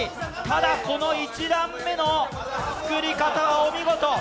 ただ、この１段目の作り方はお見事。